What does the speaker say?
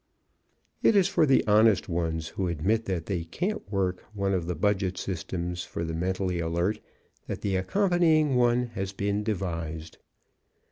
It is for the honest ones, who admit that they can't work one of the budget systems for the mentally alert, that the accompanying one has been devised.